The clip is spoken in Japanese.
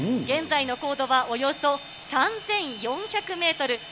現在の高度はおよそ３４００メートル。